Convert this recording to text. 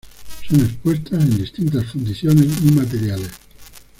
Son expuestas en distintas fundiciones y materiales.